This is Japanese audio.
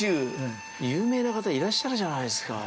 有名な方、いらっしゃるじゃないですか。